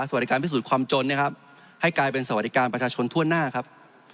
สวัสดีการพิสูจน์ความจนนะครับให้กลายเป็นสวัสดิการประชาชนทั่วหน้าครับ